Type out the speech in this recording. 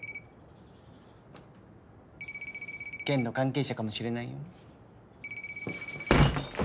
ケンの関係者かもしれないよ？